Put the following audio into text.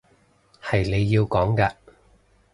係你要講嘅